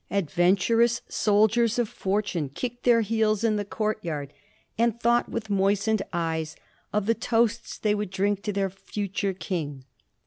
Adventurous soldiers of fortune kicked their heels in the court yard, and thought with moistened eyes of the toasts they would drink to their future king.